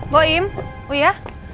bu im uya